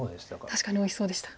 確かにおいしそうでした。